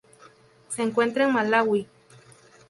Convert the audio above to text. Se encuentra en Malaui.